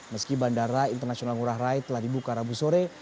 meski bandara internasional ngurah rai telah dibuka rabu sore